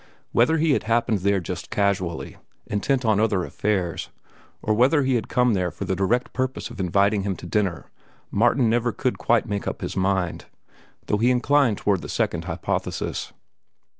Whether he had happened there just casually, intent on other affairs, or whether he had come there for the direct purpose of inviting him to dinner, Martin never could quite make up his mind, though he inclined toward the second hypothesis.